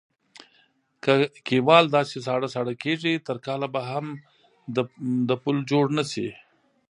که کیوال داسې ساړه ساړه کېږي تر کاله به هم د پول جوړ نشي.